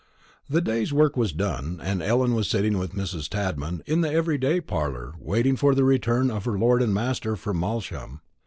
The day's work was done, and Ellen was sitting with Mrs. Tadman in the every day parlour, waiting for the return of her lord and master from Malsham.